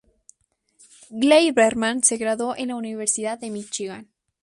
Gleiberman se graduó en la Universidad de Míchigan.